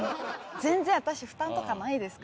全然私負担とかないですから。